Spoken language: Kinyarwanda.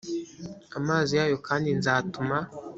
amazi yayo kandi nzatuma